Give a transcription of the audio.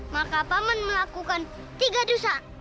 maka paman melakukan tiga dusa